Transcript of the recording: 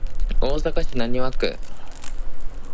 大阪市浪速区